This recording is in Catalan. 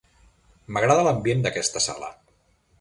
M'agrada l'ambient d'aquesta sala.